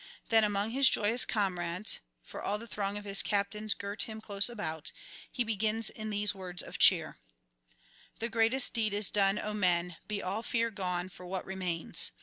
Then among his joyous comrades (for all the throng of his captains girt him close about) he begins in these words of cheer: 'The greatest deed is done, O men; be all fear gone for what remains.